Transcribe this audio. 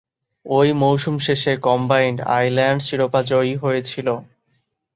ঐ মৌসুম শেষে কম্বাইন্ড আইল্যান্ডস শিরোপা জয়ী হয়েছিল।